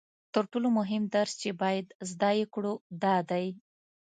تر ټولو مهم درس چې باید زده یې کړو دا دی